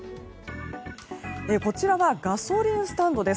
こちらはガソリンスタンドです。